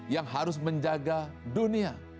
yang harus menjaga dunia